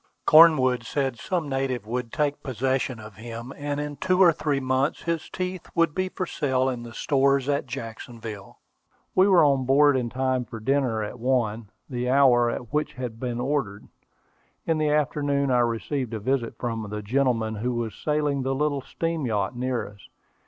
Cornwood said some native would take possession of him, and in two or three months his teeth would be for sale in the stores at Jacksonville. We were on board in time for dinner at one, the hour at which it had been ordered. In the afternoon I received a visit from the gentleman who was sailing the little steam yacht near us.